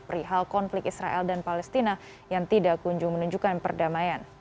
perihal konflik israel dan palestina yang tidak kunjung menunjukkan perdamaian